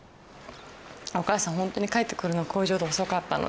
お母さんほんとに帰ってくるの工場で遅かったので。